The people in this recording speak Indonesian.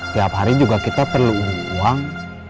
tiap hari juga kita perlu uang